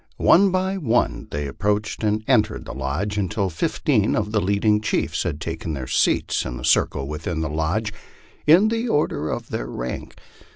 One by one they approached and entered the lodge, until fifteen of the leading chiefs had taken their seats in the circle within the lodge in the order of their rank.